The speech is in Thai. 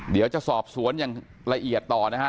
เดี๋ยวจะสอบสวนอย่างละเอียดต่อนะฮะ